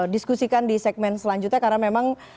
diskusikan di segmen selanjutnya karena memang